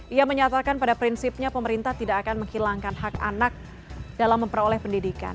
ia menyatakan pada prinsipnya pemerintah tidak akan menghilangkan hak anak dalam memperoleh pendidikan